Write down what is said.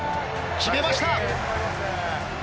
決めました。